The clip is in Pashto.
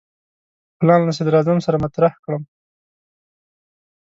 پلان له صدراعظم سره مطرح کړم.